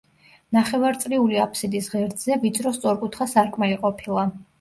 ნახევარწრიული აფსიდის ღერძზე ვიწრო სწორკუთხა სარკმელი ყოფილა.